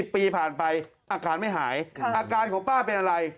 ปีผ่านไปอาการไม่หายอาการของป้าเป็นอะไร